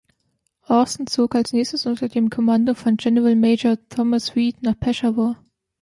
Austen zog als nächstes unter dem Kommando von Generalmajor Thomas Reed nach Peshawar.